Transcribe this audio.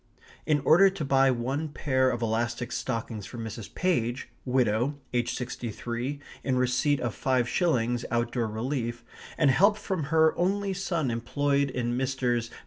In order to buy one pair of elastic stockings for Mrs. Page, widow, aged sixty three, in receipt of five shillings out door relief, and help from her only son employed in Messrs.